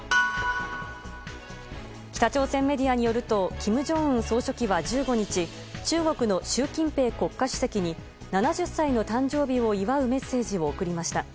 北朝鮮メディアによると金正恩総書記は１５日、中国の習近平国家主席に７０歳の誕生日を祝うメッセージを送りました。